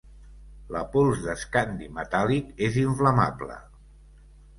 La pols d'escandi metàl·lic és inflamable.